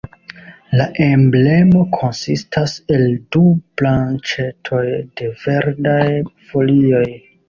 La emblemo konsistas el du branĉetoj de verdaj folioj.